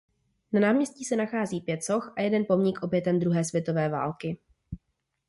Na náměstí se nachází pět soch a jeden pomník obětem druhé světové války.